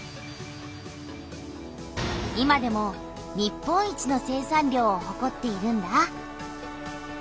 今でも日本一の生産量をほこっているんだ。